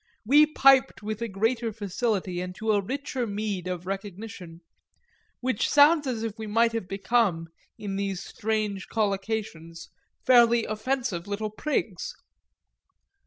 We piped with a greater facility and to a richer meed of recognition; which sounds as if we might have become, in these strange collocations, fairly offensive little prigs.